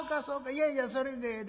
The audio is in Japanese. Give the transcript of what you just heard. いやいやそれでええ。